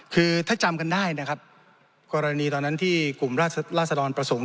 คือถ้าจำกันได้นะครับกรณีตอนนั้นที่กลุ่มราชดรประสงค์